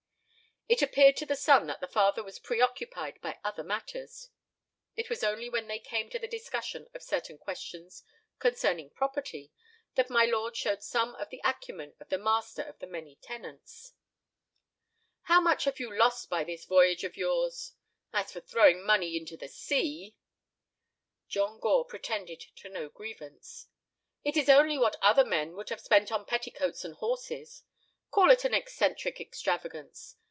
It appeared to the son that the father was preoccupied by other matters. It was only when they came to the discussion of certain questions concerning property that my lord showed some of the acumen of the master of the many tenants. "How much have you lost by this voyage of yours? As for throwing money into the sea—" John Gore pretended to no grievance. "It is only what other men would have spent on petticoats and horses. Call it an eccentric extravagance.